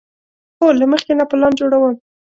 هو، له مخکې نه پلان جوړوم